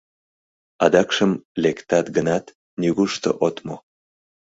Адакшым лектат гынат, нигушто от му.